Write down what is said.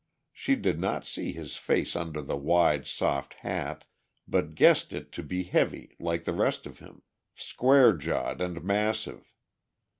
She did not see his face under the wide, soft hat but guessed it to be heavy like the rest of him, square jawed and massive.